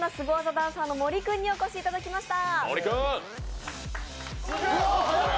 ダンサーの森君にお越しいただきました。